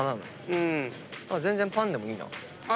全然パンでもいいな。